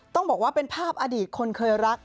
ต้องบอกว่าเป็นภาพอดีตคนเคยรัก